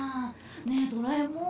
ねえドラえもん。